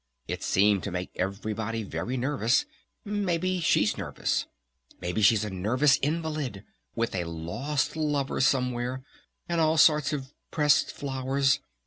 It seemed to make everybody very nervous! Maybe she's nervous! Maybe she's a nervous invalid! With a lost Lover somewhere! And all sorts of pressed flowers!